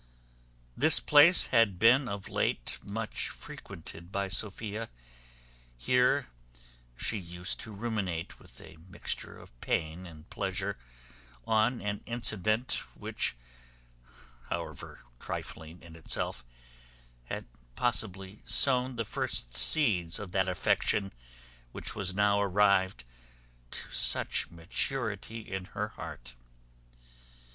This place had been of late much frequented by Sophia. Here she used to ruminate, with a mixture of pain and pleasure, on an incident which, however trifling in itself, had possibly sown the first seeds of that affection which was now arrived to such maturity in her heart.